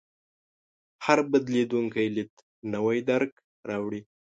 هر بدلېدونکی لید نوی درک راوړي.